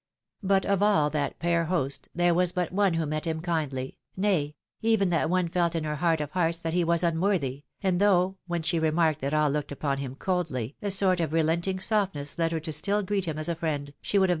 But of all that fair host, there was but one who met him kindly, nay, even that one felt in her heart of hearts that he was unworthj', and though, when she re marked that all looked upon him coldly, a sort of relenting softness led her still to greet him as a friend, she would have AN ATOWAL 03?